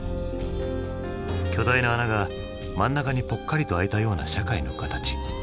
巨大な穴が真ん中にぽっかりとあいたような社会の形。